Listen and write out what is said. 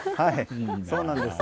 そうなんですよ。